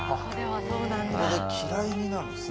ここで嫌いになるんですね